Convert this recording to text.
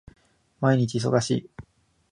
毎日忙しい